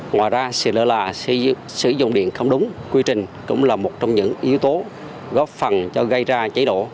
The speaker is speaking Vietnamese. ngoài ra sự lơ là sử dụng điện không đúng quy trình cũng là một trong những yếu tố góp phần cho gây ra cháy nổ